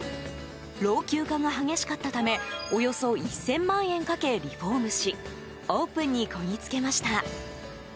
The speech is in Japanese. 老朽化が激しかったためおよそ１０００万円かけリフォームしオープンにこぎつけました。